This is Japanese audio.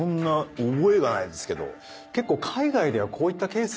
結構。